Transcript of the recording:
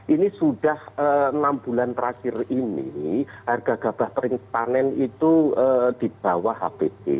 ini sudah enam bulan terakhir ini harga gabah kering panen itu di bawah hpt